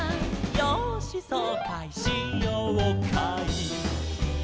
「よーしそうかいしようかい」